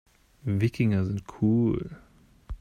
Wikinger sind cool.